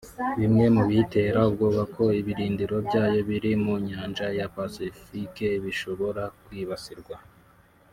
bimwe mu biyitera ubwoba ko ibirindiro byayo biri mu Nyanja ya Pacifique bishobora kwibasirwa